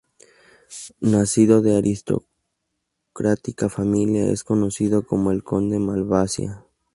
Nacido de aristocrática familia, es conocido como el "Conde Malvasia".